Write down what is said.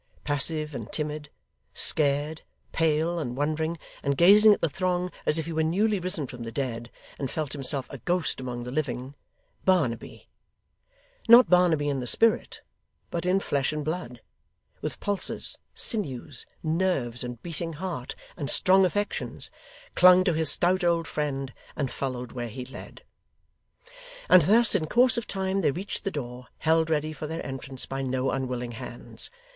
Passive and timid, scared, pale, and wondering, and gazing at the throng as if he were newly risen from the dead, and felt himself a ghost among the living, Barnaby not Barnaby in the spirit, but in flesh and blood, with pulses, sinews, nerves, and beating heart, and strong affections clung to his stout old friend, and followed where he led. And thus, in course of time, they reached the door, held ready for their entrance by no unwilling hands.